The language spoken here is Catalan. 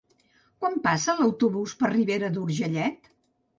Quan passa l'autobús per Ribera d'Urgellet?